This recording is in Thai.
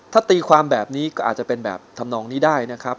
ถ้าตีความแบบนี้ก็อาจจะเป็นแบบทำนองนี้ได้นะครับ